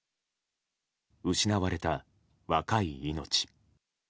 失われた若い命。